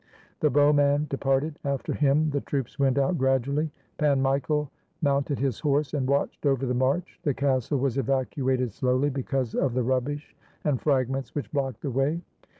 The bowman departed. After him the troops went out gradually. Pan Michael mounted his horse and watched over the march. The castle was evacuated slowly, because of the rubbish and fragments which blocked the way.